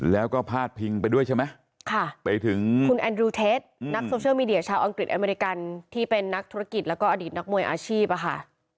แล้วก็พาดพิงไปด้วยใช่ไหมค่ะไปถึงคุณแอนดรูเท็จนักโซเชียลมีเดียชาวอังกฤษอเมริกันที่เป็นนักธุรกิจแล้วก็อดีตนักมวยอาชีพอะค่ะ